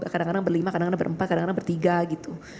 kadang kadang berlima kadang kadang berempat kadang kadang bertiga gitu